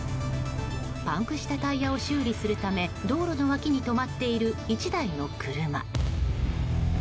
パンクしたタイヤを修理するため道路の脇に止まっている１台の車。